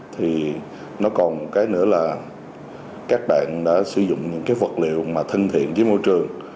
thì nó còn một cái nữa là các bạn đã sử dụng những cái vật liệu mà thân thiện với môi trường